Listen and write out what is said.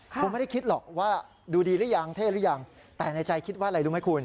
คงไม่ได้คิดหรอกว่าดูดีหรือยังเท่หรือยังแต่ในใจคิดว่าอะไรรู้ไหมคุณ